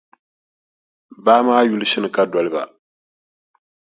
Baa maa yuli “Shinkadoliba.”.